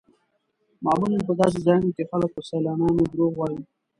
معمولا په داسې ځایونو کې خلک پر سیلانیانو دروغ وایي.